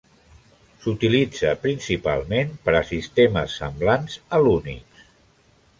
S'utilitza principalment per a sistemes semblants a l'Unix.